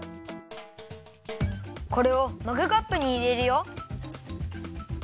これをマグカップにいれるよ。